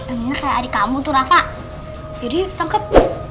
ini kayak ada kamu tuh rafa jadi tangkap dua belas